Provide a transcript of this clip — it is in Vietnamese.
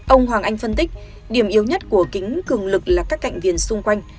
ông hoàng anh phân tích điểm yếu nhất của kính cường lực là các cạnh viền xung quanh